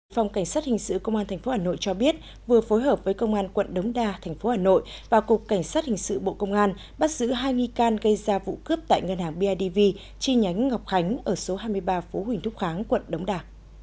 phòng cảnh sát hình sự công an tp hà nội cho biết vừa phối hợp với công an quận đống đa tp hà nội và cục cảnh sát hình sự bộ công an bắt giữ hai nghi can gây ra vụ cướp tại ngân hàng bidv chi nhánh ngọc khánh ở số hai mươi ba phố huỳnh thúc kháng quận đống đà